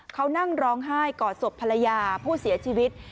เขานั่งร้องไห้กอดศพภรรยาผู้เสียชีวิต